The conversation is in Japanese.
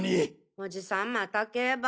おじさんまた競馬？